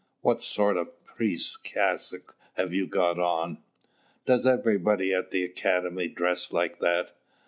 What sort of a priest's cassock have you got on? Does everybody at the academy dress like that?"